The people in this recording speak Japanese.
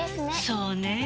そうねぇ。